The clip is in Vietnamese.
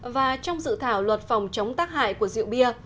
và trong dự thảo luật phòng chống tác hại của rượu bia